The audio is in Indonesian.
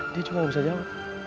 dia juga nggak bisa jawab